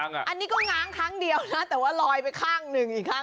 อันนี้ก็ง้างครั้งเดียวนะแต่ว่าลอยไปข้างหนึ่งอีกข้าง